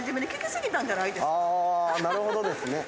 あなるほどですね。